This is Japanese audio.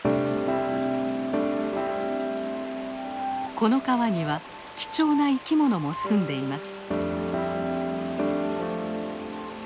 この川には貴重な生きものもすんでいます。